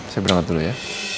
saya berangkat dulu ya